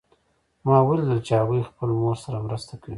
ما ولیدل چې هغوی خپل مور سره مرسته کوي